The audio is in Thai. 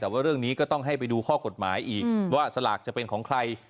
แต่ว่าเรื่องนี้ก็ต้องให้ไปดูข้อกฎหมายอีกว่าสลากจะเป็นของใคร